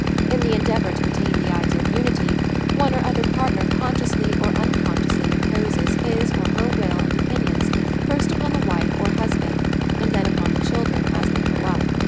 In the endeavour to attain the ideal unity, one or other partner consciously or unconsciously imposes 94 Married Love his or her will and opinions first upon the wife or husband, and then upon the children as they grow up.